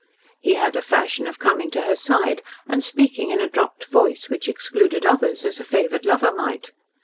He had a fashion of coming to her side and speaking in a dropped voice, which excluded others, as a favoured lover might.